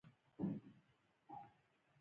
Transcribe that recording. بهلول وویل: هو زه هم معجزه لرم.